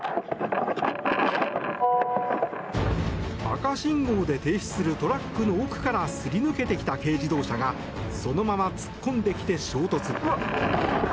赤信号で停止するトラックの奥からすり抜けてきた軽自動車がそのまま突っ込んできて衝突。